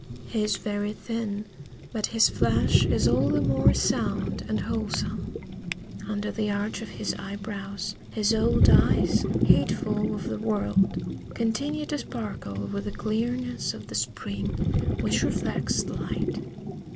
He is very thin, but his flesh is all the more sound and wholesome. Under the arch of his eyebrows his old eyes, heedful of the world, continue to sparkle with the clearness of the spring which reflects the light.